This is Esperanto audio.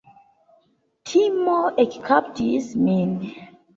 Timo ekkaptis min.